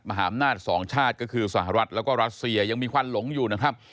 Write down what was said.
มหาอำนาจสองชาติก็คือสหรัฐแล้วก็รัสเซียยังมีควันหลงอยู่นะครับ